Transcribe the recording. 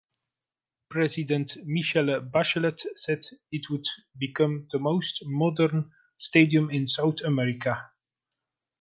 President Michelle Bachelet said it would become the most modern stadium in South America.